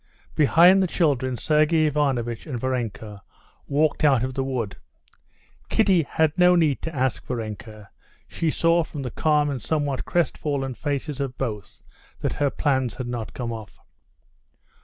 Behind the children Sergey Ivanovitch and Varenka walked out of the wood. Kitty had no need to ask Varenka; she saw from the calm and somewhat crestfallen faces of both that her plans had not come off.